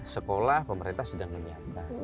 sekolah pemerintah sedang menyediakan